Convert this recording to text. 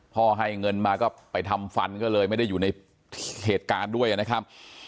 ให้เงินมาก็ไปทำฟันก็เลยไม่ได้อยู่ในเหตุการณ์ด้วยนะครับ